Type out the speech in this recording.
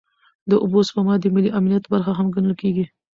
د اوبو سپما د ملي امنیت برخه هم ګڼل کېږي.